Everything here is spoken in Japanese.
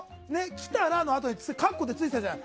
来たらのあとにかっこでついてたじゃん。